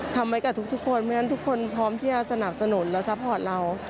ทำไว้กับทุกคนเพราะฉะนั้นทุกคนพร้อมที่จะสนับสนุนและซัพพอร์ตเรา